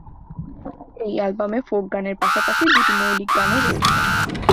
এই অ্যালবামে ফোক গানের পাশাপাশি দুটি মৌলিক গানও রয়েছে।